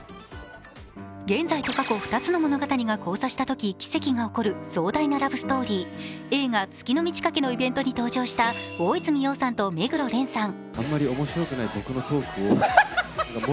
現在と過去２つの物語が交差したとき奇跡が起こる壮大なラブストーリー、映画「月の満ち欠け」のイベントに登場した大泉洋さんと目黒蓮さん。